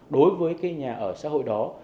đối với cái nhà ở xã hội đó